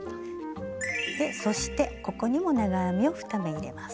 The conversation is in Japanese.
でそしてここにも長編みを２目入れます。